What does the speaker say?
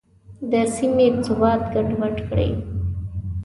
د سیمې ثبات ګډوډ کړي.